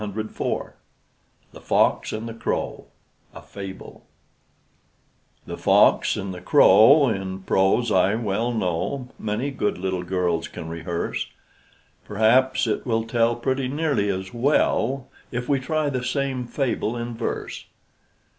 DAVID EVERETT THE FOX AND THE CROW A FABLE The fox and the crow, In prose, I well know, Many good little girls can rehearse: Perhaps it will tell Pretty nearly as well, If we try the same fable in verse.